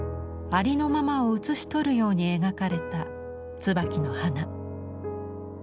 ありのままを写し取るように描かれたツバキの花。